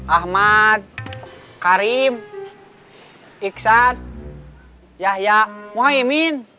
ahmad karim iksan yahya mohaimin